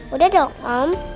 udah dong om